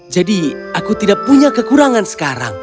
aku tidak punya kekurangan sekarang